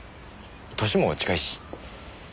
歳も近いし。